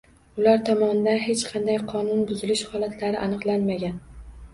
Ular tomonidan hech qanday qonun buzilish holatlari aniqlanmagan.